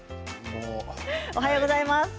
おはようございます。